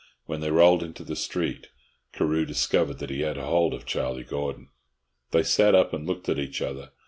When they rolled into the street, Carew discovered that he had hold of Charlie Gordon. They sat up and looked at each other.